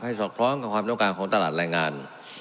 สอดคล้องกับความต้องการของตลาดแรงงาน